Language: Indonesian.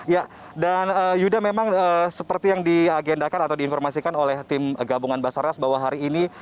ya dan yuda memang seperti yang diagendakan atau diinformasikan oleh tim gabungan basarnas bahwa hari ini